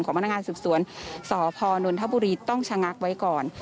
พนักงานสืบสวนสพนนทบุรีต้องชะงักไว้ก่อน